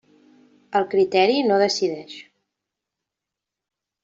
El criteri no decideix.